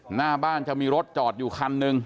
หน้าบ้านจะมีรถจอดอยู่คันหนึ่ง